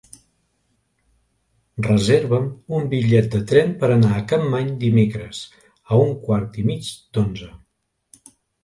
Reserva'm un bitllet de tren per anar a Capmany dimecres a un quart i mig d'onze.